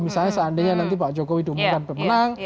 misalnya seandainya nanti pak jokowi diumumkan pemenang